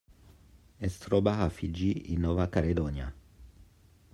Es troba a Fiji i Nova Caledònia.